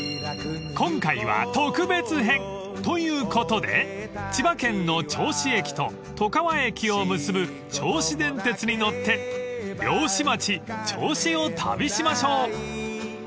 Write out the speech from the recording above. ［今回は特別編ということで千葉県の銚子駅と外川駅を結ぶ銚子電鉄に乗って漁師町銚子を旅しましょう］